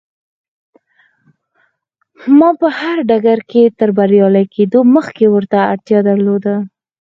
ما په هر ډګر کې تر بريالي کېدو مخکې ورته اړتيا درلوده.